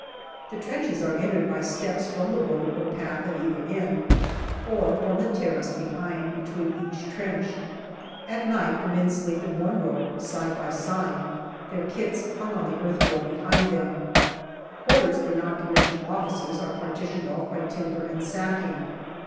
The trenches are entered by steps from the road or path at either end, or from the terrace behind between each trench. At night the men sleep in one row side by side, 268 GALLIPOLI DIARY their kits hung on the earth wall behind them. Quarters for N.C.O.'s are partitioned off by timber and sacking.